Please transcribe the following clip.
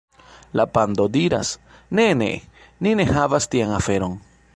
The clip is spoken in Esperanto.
La pando diras: "Ne, ne. Ni ne havas tian aferon."